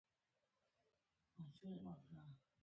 ډي بیرز کمپنۍ لا هم بډایه سیمې په واک کې لرلې.